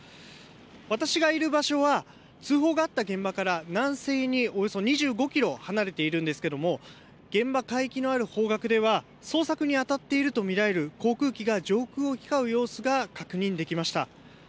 私がいる場所は、通報があった現場から南西におよそ２５キロ離れているんですけれども、現場海域のある方角では、捜索に当たっていると見られる航空機が上空を行き交う様子が確認できました。